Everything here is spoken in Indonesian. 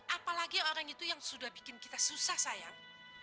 apalagi orang itu yang sudah bikin kita susah sayang